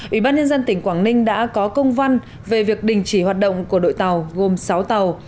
ủy ban nhân dân tỉnh quảng ninh đã có công văn về việc đình chỉ hoạt động của đội tàu gồm sáu tàu